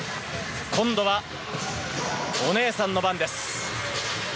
今度はお姉さんの番です。